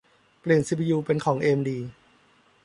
เปลี่ยนซีพียูเป็นของเอเอ็มดี